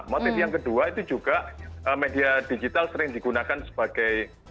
motif yang kedua itu juga media digital sering digunakan sebagai